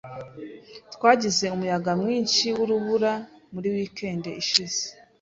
Twagize umuyaga mwinshi wurubura muri weekend ishize.